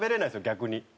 逆に。